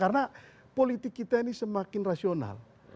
karena politik kita ini semakin rasional